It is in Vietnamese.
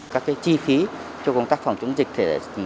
các chi phí cho công tác phòng chống dịch